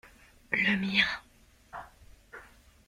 Le mien.